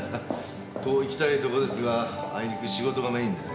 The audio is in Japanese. といきたいとこですがあいにく仕事がメーンでね。